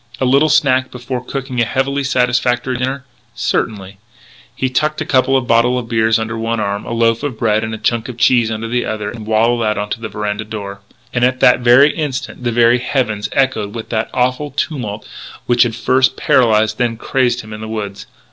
A little snack before cooking a heavily satisfactory dinner? Certainly. So he tucked a couple of bottles of beer under one arm, a loaf of bread and a chunk of cheese under the other, and waddled out to the veranda door. And at that instant the very heavens echoed with that awful tumult which had first paralysed, then crazed him in the woods.